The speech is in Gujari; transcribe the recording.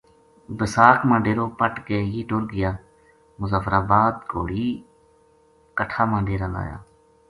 سیال یہ کالا چِٹا کا ڈھاکا ما رہیا بیساکھ ما ڈیرو پَٹ کہ یہ ٹُر گیا مظفرآباد کہوڑی کٹھہ ما ڈیرا لایا